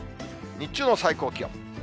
日中の最高気温。